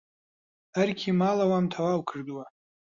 ئەرکی ماڵەوەم تەواو کردووە.